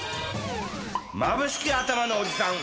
まぶしきあたまのおじさん！